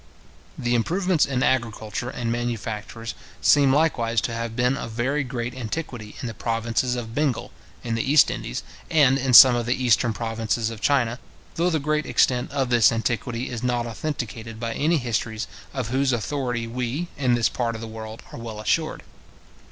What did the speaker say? The improvements in agriculture and manufactures seem likewise to have been of very great antiquity in the provinces of Bengal, in the East Indies, and in some of the eastern provinces of China, though the great extent of this antiquity is not authenticated by any histories of whose authority we, in this part of the world, are well assured.